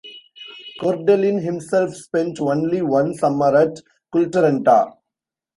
Kordelin himself spent only one summer at Kultaranta.